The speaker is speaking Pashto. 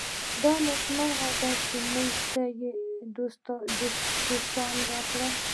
دا نېکمرغي ده چې موږ ته یې دوستان راکړي.